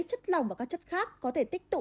chất lòng và các chất khác có thể tích tụ